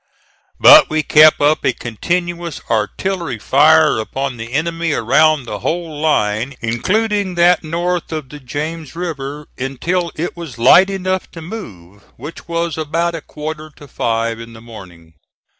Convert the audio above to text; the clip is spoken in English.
But we kept up a continuous artillery fire upon the enemy around the whole line including that north of the James River, until it was light enough to move, which was about a quarter to five in the morning.